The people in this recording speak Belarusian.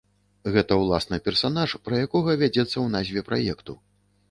Гэта ўласна персанаж, пра якога вядзецца ў назве праекту.